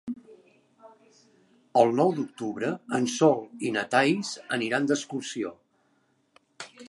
El nou d'octubre en Sol i na Thaís iran d'excursió.